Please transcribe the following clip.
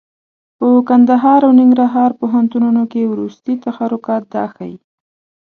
په کندهار او ننګرهار پوهنتونونو کې وروستي تحرکات دا ښيي.